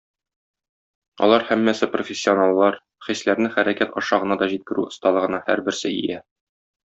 Алар һәммәсе профессионаллар, хисләрне хәрәкәт аша гына да җиткерү осталыгына һәрберсе ия.